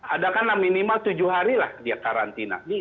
adakanlah minimal tujuh hari lah dia karantina